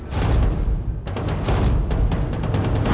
aku kasih hemat kok ya